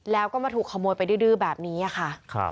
แล้วก็มาถูกขโมยไปดื้อแบบนี้ค่ะ